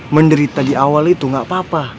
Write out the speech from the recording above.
menderita di awal itu nggak apa apa